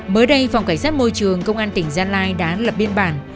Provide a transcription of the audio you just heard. mới đây phòng cảnh sát môi trường công an tỉnh gia lai đã lập biên bản